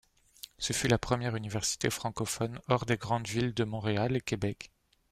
Ce fut la première Université francophone hors des grandes villes de Montréal et Québec.